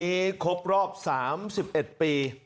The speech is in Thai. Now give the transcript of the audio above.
ที่นี้ครบรอบ๓๑ปี